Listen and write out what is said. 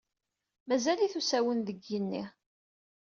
Mazal-it usawen deg yigenni.